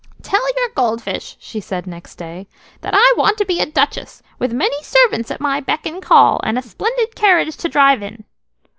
"Tell your gold fish," she said next day, "that I want to be a duchess, with many servants at my beck and call, and a splendid carriage to drive in."